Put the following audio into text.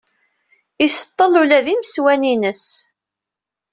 Iṣeṭṭel ula d imeswan-ines.